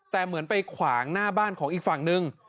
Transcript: แต่เหมือนไปขวางหน้าบ้านของอีกฝั่งนึง